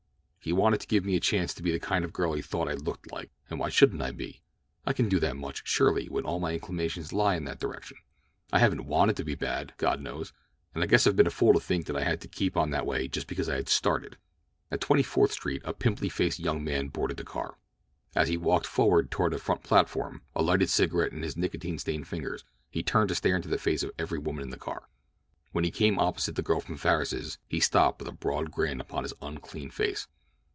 He wanted to give me a chance to be the kind of girl he thought I looked like, and why shouldn't I be? I can do that much, surely, when all my inclinations lie in that direction. I haven't wanted to be bad, God knows; and I guess I've been a fool to think that I had to keep on that way just because I had started." At Twenty Fourth Street a pimply faced young man boarded the car. As he walked forward toward the front platform, a lighted cigarette in his nicotine stained fingers, he turned to stare into the face of every woman in the car. When he came opposite the girl from Farris's he stopped with a broad grin upon his unclean face.